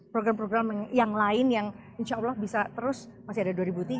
program program yang lain yang insya allah bisa terus masih ada dua ribu tiga dua ribu dua puluh empat